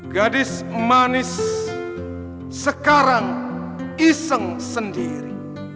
gadis manis sekarang iseng sendiri